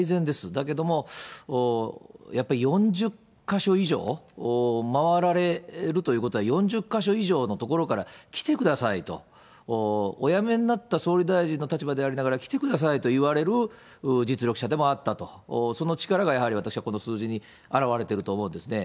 だけども、やっぱ４０か所以上回られるということは、４０か所以上のところから来てくださいと、お辞めになった総理大臣の立場でありながら、来てくださいと言われる実力者でもあったと、その力がやはり私はこの数字に表れてると思うんですね。